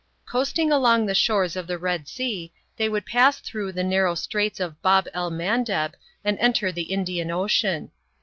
Coasting along the shores of the Red Sea, they would pass through the narrow Straits of Bab el Mandeb and dnter the Indian Ocean.